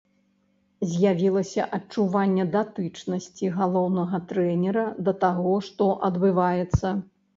З'явілася адчуванне датычнасці галоўнага трэнера да таго, што адбываецца.